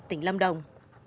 tỉnh lâm đồng